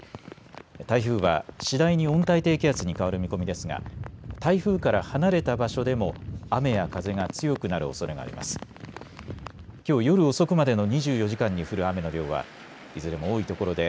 台風は次第に温帯低気圧に変わる見込みですが台風から離れた場所でも雨や風が強くなるおそれがあります。